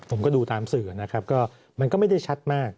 ผมก็ดูตามสื่อนะครับก็มันก็ไม่ได้ชัดมาก